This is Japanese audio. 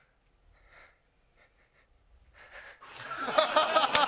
ハハハハ！